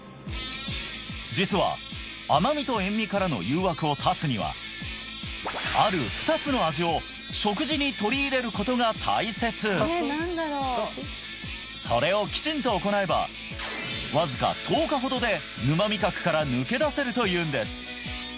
実は甘味と塩味からの誘惑を断つにはことが大切それをきちんと行えばわずか１０日ほどで沼味覚から抜け出せるというんです